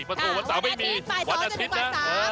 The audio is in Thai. ประตูวันเสาร์ไม่มีวันอาทิตย์นะ